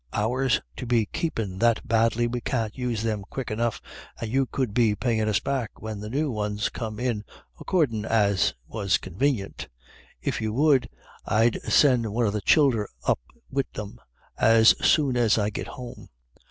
Ours do be keepin' that badly, we can't use them quick enough, and you could be payin* us back when the new ones come in, accordin' as was convanient. If you would, I'd send one o* the childer up wid them as soon as I git home.